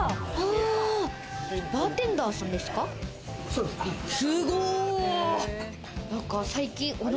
バーテンダーさんですか？